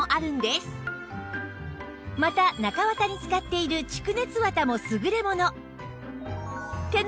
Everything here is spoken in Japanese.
また中綿に使っている蓄熱綿も優れもの